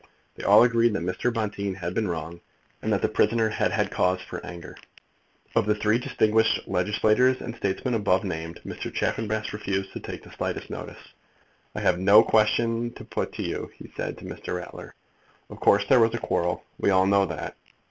They all agreed that Mr. Bonteen had been wrong, and that the prisoner had had cause for anger. Of the three distinguished legislators and statesmen above named Mr. Chaffanbrass refused to take the slightest notice. "I have no question to put to you," he said to Mr. Ratler. "Of course there was a quarrel. We all know that."